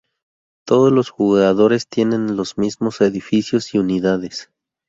Todos los jugadores tienen los mismos edificios y unidades.